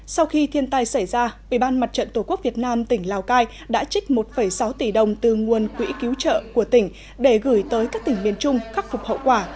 sau khi thiên tai xảy ra ubnd tqvn tỉnh lào cai đã trích một sáu tỷ đồng từ nguồn quỹ cứu trợ của tỉnh để gửi tới các tỉnh miền trung khắc phục hậu quả